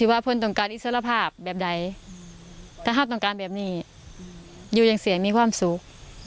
ข้าบต้องการแบบนี้อยู่อย่างเสียงมีความสุข